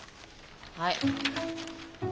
はい。